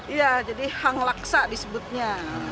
iya jadi hang laksa disebutnya